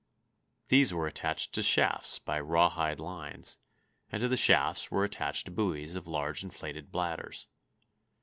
These were attached to shafts by rawhide lines, and to the shafts were attached buoys of large inflated bladders.